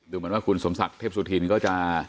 เหมือนว่าคุณสมศักดิ์เทพสุธินก็จะ